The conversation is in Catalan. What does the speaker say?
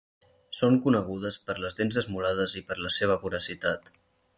Són conegudes per les dents esmolades i per la seva voracitat.